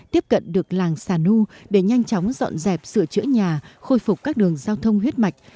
tiếp cận được làng sản hưu để nhanh chóng dọn dẹp sửa chữa nhà khôi phục các đường giao thông huyết mạch